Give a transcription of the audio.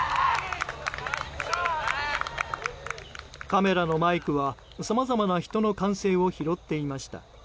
カメラのマイクはさまざまな人の歓声を拾っていました。